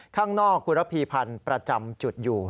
ข้างนอกคุณระพีพันธ์ประจำจุดอยู่